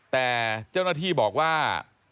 แต่เจ้าหน้าที่บอกว่า